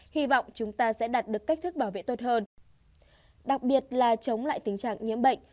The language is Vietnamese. hy vọng chúng ta sẽ đạt được cách thức bảo vệ tốt hơn đặc biệt là chống lại tình trạng nhiễm bệnh